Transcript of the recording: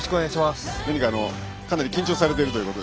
今回、かなり緊張されているということで。